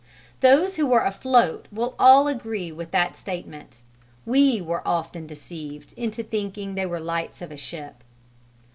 Those who were afloat will all agree with that statement: we were often deceived into thinking they were lights of a ship.